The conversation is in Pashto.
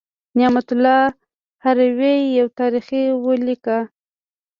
نعمت الله هروي یو تاریخ ولیکه.